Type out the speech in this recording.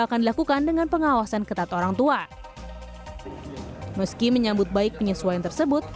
akan dilakukan dengan pengawasan ketat orangtua meski menyambut baik penyesuaian tersebut